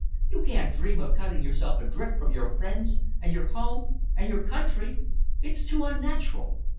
You can't dream of cutting yourself adrift from your friends and your home and your country! It's too unnatural!